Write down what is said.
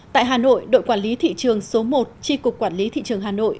tại hà nội đội quản lý thị trường số một tri cục quản lý thị trường hà nội